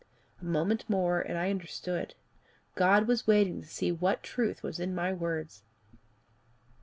A moment more and I understood: God was waiting to see what truth was in my words.